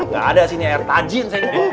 gak ada sih ini air tajin